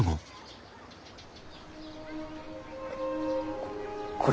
ここれ。